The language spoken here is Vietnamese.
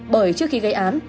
bởi trước khi gây án